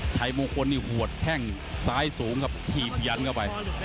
ชัยมงคลนี่หัวแข้งซ้ายสูงครับถีบยันเข้าไป